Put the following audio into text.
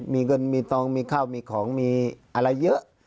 มีเงินมีทองมีข้าวมีของมีอะไรเยอะ